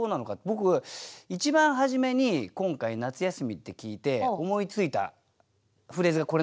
僕一番初めに今回「夏休」って聞いて思いついたフレーズがこれなんですけど。